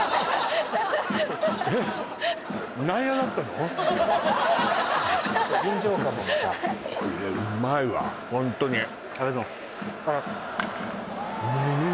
えっ臨場感もまたこれうまいわホントにありがとうございます